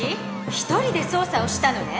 一人で捜査をしたのね？